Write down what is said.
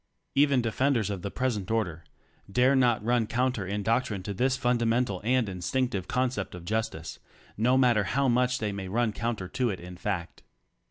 Even defenders of the present order dare not run counter in doctrine to this fundamental and instinctive concept of justice, no matter how much they may run counter to it in fact.